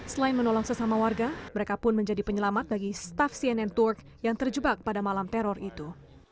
selain menolong sesama warga mereka pun menjadi penyelamat bagi staff cnn turk yang terjebak pada malam teror itu